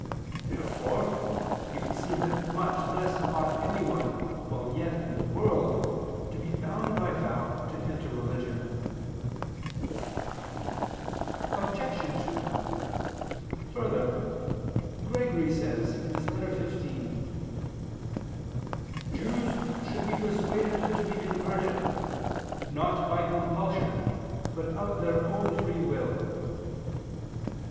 Therefore it would seem that much less ought anyone while yet in the world to be bound by vow to enter religion. Obj. 2: Further, Gregory says (Regist. xi, Ep. 15): Jews "should be persuaded to be converted, not by compulsion but of their own free will" (Dist. xlv, can. De Judaeis).